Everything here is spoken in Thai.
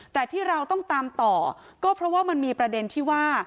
แต่ที่เราต้องตามต่อก็เพราะว่ามันมีประเด็นที่ว่า